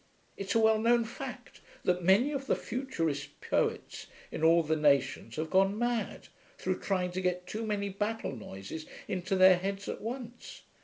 It's a well known fact that many of the futurist poets, in all the nations, have gone mad, through trying to get too many battle noises into their heads at once.